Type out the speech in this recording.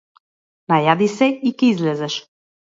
Најади се и ќе излезеш.